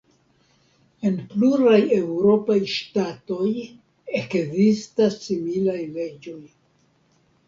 En pluraj eŭropaj ŝtatoj ekzistas similaj leĝoj.